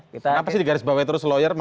kenapa sih digarisbawahi terus lawyer